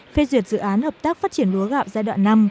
phê duyệt dự án hợp tác phát triển lúa gạo giai đoạn năm